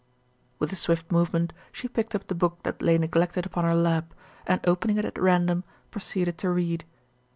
With a swift movement she picked up the book that lay neglected upon her lap and, opening it at random, proceeded to read.